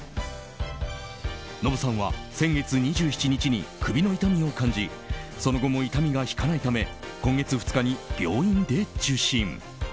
ノブさんは先月２７日に首の痛みを感じその後も痛みが引かないため今月２日に病院で受診。